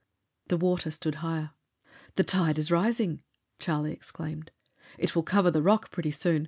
The water stood higher. "The tide is rising!" Charlie exclaimed. "It will cover the rock pretty soon.